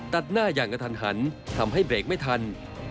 ตัดหน้าอย่างกระทันหันทำให้เบรกไม่ทัน